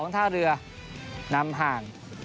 ท่าเรือนำห่าง